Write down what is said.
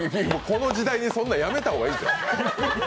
この時代にそんなやめたほうがいいですよ。